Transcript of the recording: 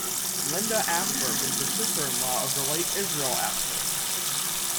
Linda Asper was the sister-in-law of the late Israel Asper.